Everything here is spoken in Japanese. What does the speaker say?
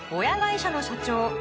親会社の社長